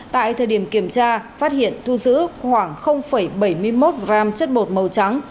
tại thời điểm kiểm tra phát hiện thu giữ khoảng bảy mươi một g chất bột màu trắng